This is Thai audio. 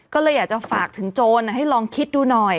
ก็เลยอยากจะฝากถึงโจรให้ลองคิดดูหน่อย